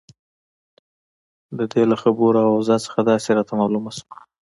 د دې له خبرو او اوضاع څخه داسې راته معلومه شوه.